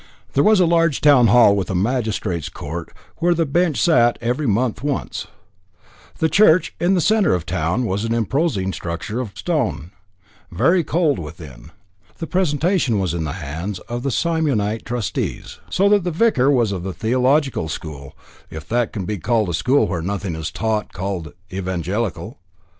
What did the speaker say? There was a large town hall with a magistrates' court, where the bench sat every month once. The church, in the centre of the town, was an imposing structure of stone, very cold within. The presentation was in the hands of the Simeonite Trustees, so that the vicar was of the theological school if that can be called a school where nothing is taught called Evangelical.